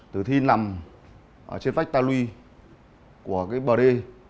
tử thi nằm trên vách ta lui của bờ đê